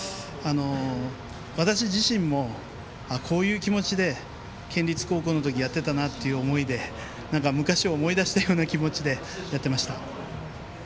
私自身もこういう気持ちで県立高校の時やってたなという思いで昔を思い出したような気持ちでやっていました。